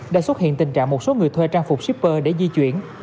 đã xuất hiện tình trạng một số người thuê trang phục shipper để di chuyển